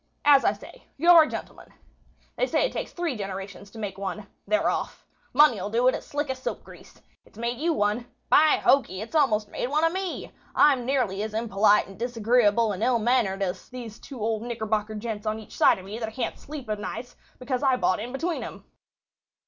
As I said, you're a gentleman. They say it takes three generations to make one. They're off. Money'll do it as slick as soap grease. It's made you one. By hokey! it's almost made one of me. I'm nearly as impolite and disagreeable and ill mannered as these two old Knickerbocker gents on each side of me that can't sleep of nights because I bought in between 'em."